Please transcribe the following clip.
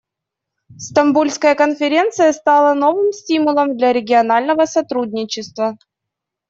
Стамбульская конференция стала новым стимулом для регионального сотрудничества.